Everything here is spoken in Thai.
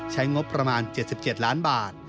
ใช้งบประมาณ๗๗ล้านบาท